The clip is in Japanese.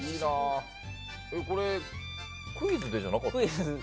これ、クイズでじゃなかった？